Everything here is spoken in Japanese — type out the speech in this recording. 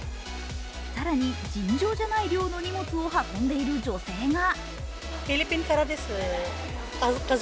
更に、尋常じゃない量の荷物を運んでいる女性が。